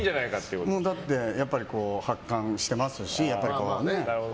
やっぱり発汗してますし。